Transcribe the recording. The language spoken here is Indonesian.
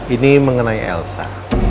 ini mengenai elsa